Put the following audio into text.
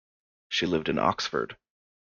She lived in Oxford.